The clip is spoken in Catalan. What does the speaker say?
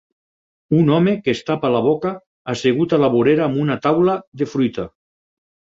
Un home que es tapa la boca, assegut a la vorera amb una taula de fruita.